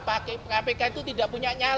pak kpk itu tidak punya nyata